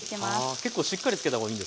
結構しっかりつけた方がいいんですか？